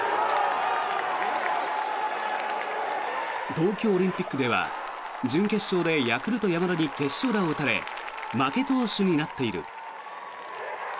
東京オリンピックでは準決勝でヤクルト、山田に決勝打を打たれ負け投手になっている。